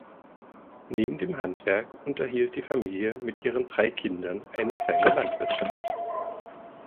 Neben dem Handwerk unterhielt die Familie mit ihren drei Kindern eine kleine Landwirtschaft.